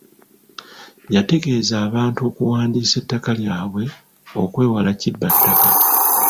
Yategeeza abantu okuwandiisa ettaka lyabwe okwewala kibba ttaka.